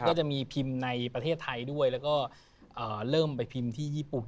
ก็จะมีพิมพ์ในประเทศไทยด้วยแล้วก็เริ่มไปพิมพ์ที่ญี่ปุ่น